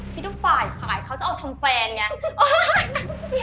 ทุกฝ่ายขายเขาจะเอาทำแฟนไง